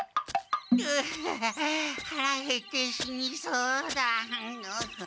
うはらへって死にそうだ。